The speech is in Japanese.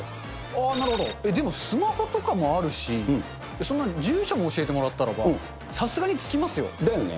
でもスマホとかもあるし、そんな、住所も教えてもらったらば、だよね。